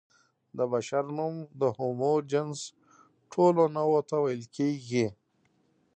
د بشر نوم د هومو جنس ټولو نوعو ته ویل کېږي.